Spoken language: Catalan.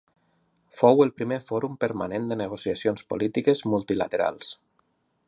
Fou el primer fòrum permanent de negociacions polítiques multilaterals.